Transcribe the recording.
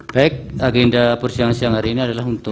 baik agenda persidangan siang hari ini adalah untuk